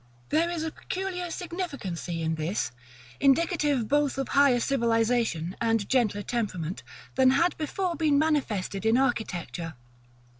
§ LXIX. There is a peculiar significancy in this, indicative both of higher civilization and gentler temperament, than had before been manifested in architecture.